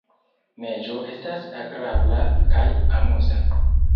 Neĝo estas agrabla kaj amuza.